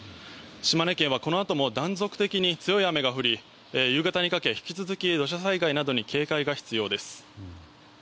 島根県はこのあとも断続的に強い雨が降り夕方にかけて引き続き土砂災害などに警戒が必要です。